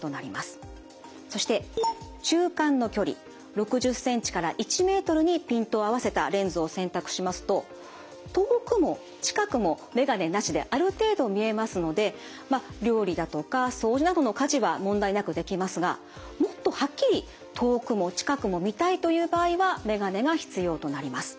そして中間の距離６０ｃｍから１ｍにピントを合わせたレンズを選択しますと遠くも近くも眼鏡なしである程度見えますのでまあ料理だとか掃除などの家事は問題なくできますがもっとはっきり遠くも近くも見たいという場合は眼鏡が必要となります。